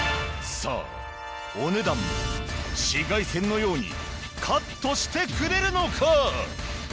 さあお値段も紫外線のようにカットしてくれるのか！？